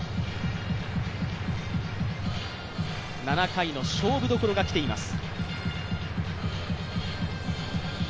７回の勝負どころが来ています。